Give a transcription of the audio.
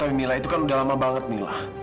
tapi mila itu kan udah lama banget mila